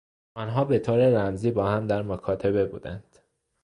آنها به طور رمزی با هم در مکاتبه بودند.